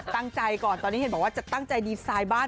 ก่อนตอนนี้เห็นบอกว่าจะตั้งใจดีไซน์บ้าน